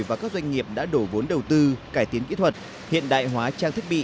và các doanh nghiệp đã đổ vốn đầu tư cải tiến kỹ thuật hiện đại hóa trang thiết bị